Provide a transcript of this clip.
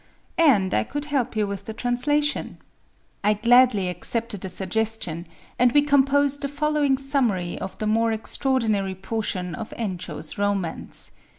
And I could help you with the translation." I gladly accepted the suggestion; and we composed the following summary of the more extraordinary portion of Enchō's romance.